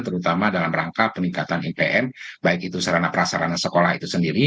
terutama dalam rangka peningkatan ipm baik itu sarana prasarana sekolah itu sendiri